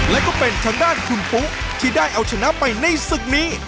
และก็เป็นทางด้านคุณปุ๊ที่ได้เอาชนะไปในศึกนี้